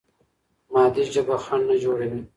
مادي ژبه خنډ نه جوړوي.